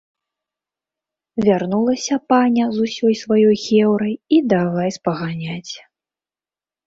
Вярнулася паня з усёй сваёй хеўрай і давай спаганяць.